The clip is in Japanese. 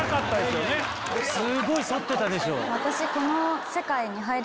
すごい反ってたでしょ。